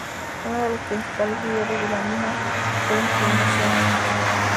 Uno de los principales líderes de la misma fue Timoshenko.